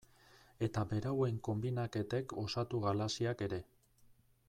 Eta berauen konbinaketek osatu galaxiak ere.